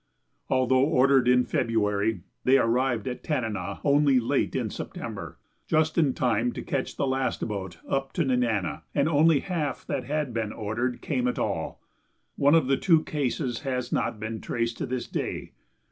Although ordered in February, they arrived at Tanana only late in September, just in time to catch the last boat up to Nenana. And only half that had been ordered came at all one of the two cases has not been traced to this day.